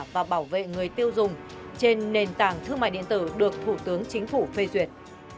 và bảo vệ người tiêu dùng trên nền tảng thương mại điện tử được thủ tướng chính phủ phê duyệt